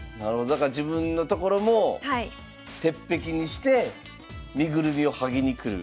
だから自分の所も鉄壁にして身ぐるみを剥ぎに来る。